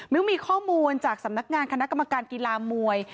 มีข้อมูลจากสำนักงานคณะกรรมการกีฬามวย